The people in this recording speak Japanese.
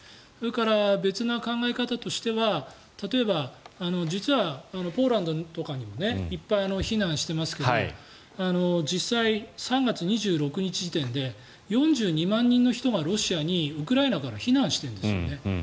それから、別の考え方としては例えば実はポーランドとかにもいっぱい避難してますが実際、３月２６日時点で４２万人の人がロシアにウクライナから避難しているんですよね。